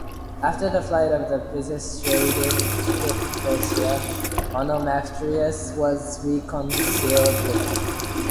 After the flight of the Pisistratids to Persia, Onomacritus was reconciled with them.